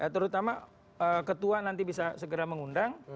terutama ketua nanti bisa segera mengundang